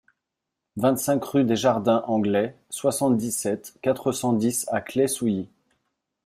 vingt-cinq rue des Jardins Anglais, soixante-dix-sept, quatre cent dix à Claye-Souilly